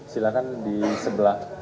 silahkan di sebelah